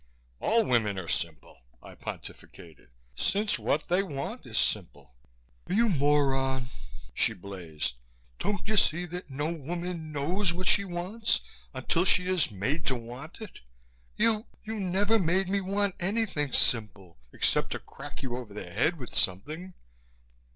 "All women are simple," I pontificated, "since what they want is simple." "You moron!" she blazed. "Don't you see that no woman knows what she wants until she is made to want it. You ... you never made me want anything simple, except to crack you over the head with something."